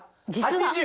８０。